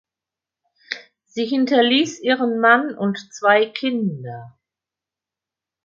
Sie hinterließ ihren Mann und zwei Kinder.